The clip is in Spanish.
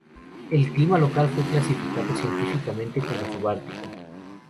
El clima local fue clasificado científicamente como "subártico".